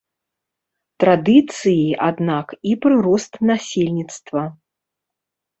Традыцыі, аднак, і прырост насельніцтва.